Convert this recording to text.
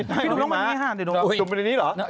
ไม่ใช่นุ่มมา